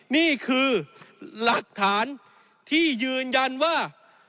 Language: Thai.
นี่คือหลักฐานที่ยืนยันว่า